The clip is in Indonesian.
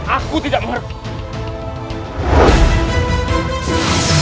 aku tidak meragui